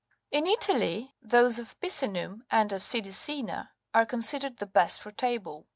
In Italy, those of Picenum and of Sidicina37 are considered the best for table.